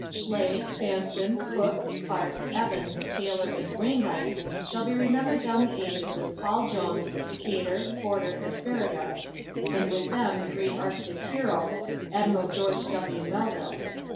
Schley, Sampson, Cook, Clarke, Evans, Taylor and Wainwright shall be remembered down the ages with Paul Jones, Decatur, Porter and Farragut; and with them the great Arctic hero, Admiral George W. Melville.